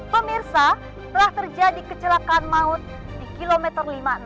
pemirsa telah terjadi kecelakaan maut di kilometer lima puluh enam